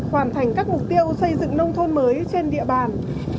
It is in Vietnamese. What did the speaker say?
hoàn thành các mục tiêu xây dựng nông thôn mới trên địa bàn